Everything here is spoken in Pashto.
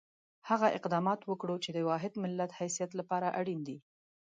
هغه اقدامات وکړو چې د واحد ملت حیثیت لپاره اړین دي.